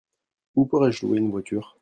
Où pourrais-je louer une voiture ?